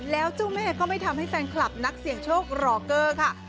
แล้วเจ้าแม่ก็ไม่ทำให้แฟนคลับนักเสี่ยงโชครอเกอร์ค่ะ